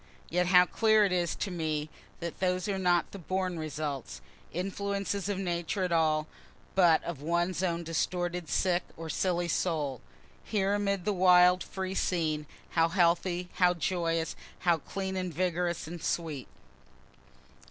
Yet how clear it is to me that those are not the born results, influences of Nature at all, but of one's own distorted, sick or silly soul. Here, amid this wild, free scene, how healthy, how joyous, how clean and vigorous and sweet!